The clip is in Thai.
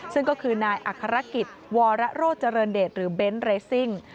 ซึ่งก็คือนายอัครกิจวรโรเจริญเดชหรือเบนท์เรซิ่ง